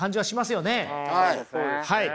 はい。